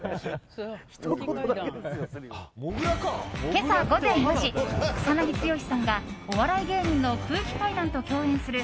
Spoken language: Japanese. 今朝午前４時草なぎ剛さんがお笑い芸人の空気階段と共演する